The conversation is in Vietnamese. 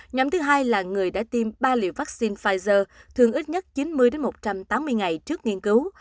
nhóm thứ hai là người đã tiêm ba liều vaccine pfizer thường ít nhất chín mươi một trăm tám mươi ngày trước nghiên cứu